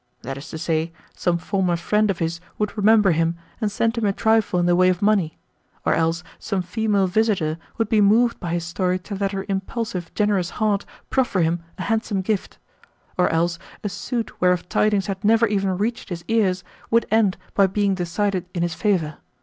That is to say, some former friend of his would remember him, and send him a trifle in the way of money; or else some female visitor would be moved by his story to let her impulsive, generous heart proffer him a handsome gift; or else a suit whereof tidings had never even reached his ears would end by being decided in his favour.